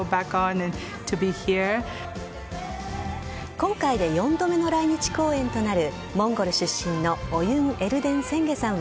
今回で４度目の来日公演となるモンゴル出身のオユン・エルデン・センゲさんは